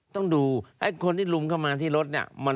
ต้องดูคนที่รุมเข้ามาที่รถ